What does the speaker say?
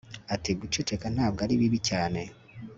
ati guceceka ntabwo ari bibi cyane